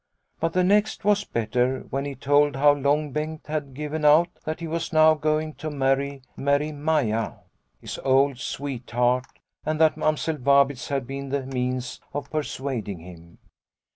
But the next was better, when he told how Long Bengt had given out that he was now going to marry Merry Maia, his old sweetheart, and that Mamsell Vabitz had been the means of per suading him.